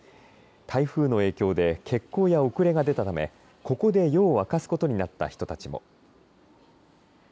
台風の影響で欠航や遅れが出たため、ここで夜を明かすことになった人たちも。